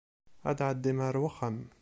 Ad tɛeddim ar wexxam.